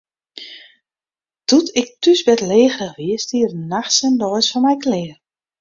Doe't ik thús bêdlegerich wie, stie er nachts en deis foar my klear.